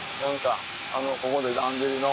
ここでだんじりの。